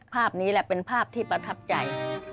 ภาพนี้แหละเป็นภาพที่ประทับใจ